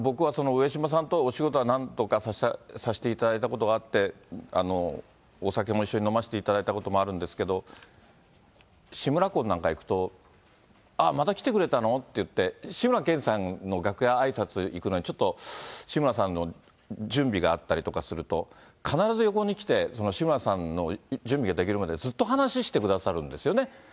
タカさん、僕は上島さんとはお仕事は何回かさせていただいたことがあって、お酒も一緒に飲ませていただいたこともあるんですけれども、志村魂なんか行くと、あっ、また来てくれたの？って言って、志村けんさんの楽屋あいさつ行くのに、ちょっと志村さんの準備があったりとかすると、必ず横に来て、志村さんの準備ができるまで、ずっと話してくださるんですよね。